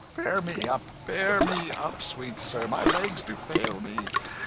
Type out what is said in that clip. "Bear me up, bear me up, sweet sir, my legs do fail me!